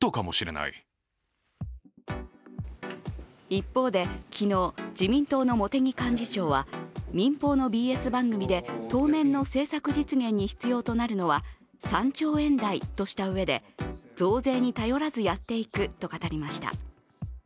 一方で、昨日、自民党の茂木幹事長は民法のＢＳ番組で当面の政策実現に必要となるのは３兆円台としたうえで、増税に頼らずやっていくと語りました。